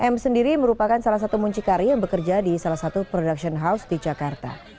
m sendiri merupakan salah satu muncikari yang bekerja di salah satu production house di jakarta